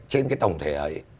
trên cái tổng thể ấy